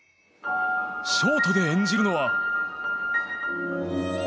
ショートで演じるのは。